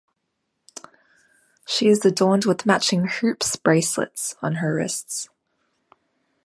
She is adorned with matching hoops bracelets on her wrists.